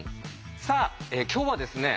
さあ今日はですね